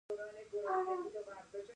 دا د پښتنو ژوند دی.